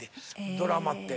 ドラマって。